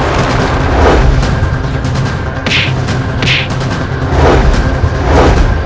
jangan menghasut rakyatmu